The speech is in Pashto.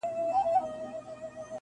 خو د سپي د ژوند موده وه پوره سوې,